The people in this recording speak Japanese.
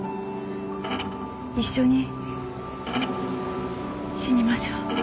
一緒に死にましょう。